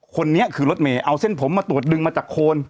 คนนี้คือรถเมย์เอาเส้นผมมาตรวจดึงมาจากโคน